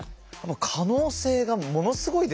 可能性がものすごいですね。